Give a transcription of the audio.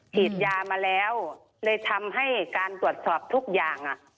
ฉีดยามาแล้วเลยทำให้การตรวจสอบทุกอย่าง